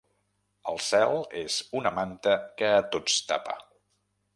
El cel és una manta que a tots tapa.